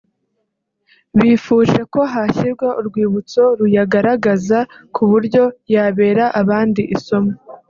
bifuje ko hashyirwa urwibutso ruyagaragaza ku buryo yabera abandi isomo